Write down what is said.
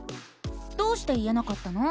どうして言えなかったの？